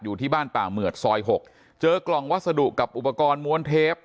อยู่ที่บ้านป่าเหมือดซอย๖เจอกล่องวัสดุกับอุปกรณ์ม้วนเทป